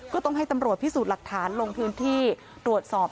ก็ต้องให้ตำรวจพิสูจน์หลักฐานลงพื้นที่ตรวจสอบ